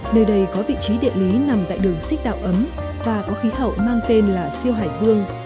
nơi đây có vị trí địa lý nằm tại đường xích đạo ấm và có khí hậu mang tên là siêu hải dương